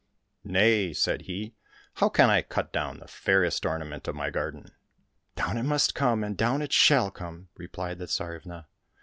—" Nay !" said he, " how can I cut down the fairest ornament of my garden ?"—" Down it must come, and down it shall come !" replied the Tsarivna.